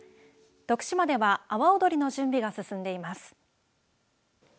徳島では阿波おどりの準備が進んでいます。